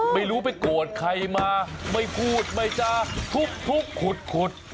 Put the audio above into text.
ไม่รู้ไปโกรธใครมาไม่พูดไม่จาทุบขุด